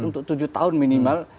untuk tujuh tahun minimal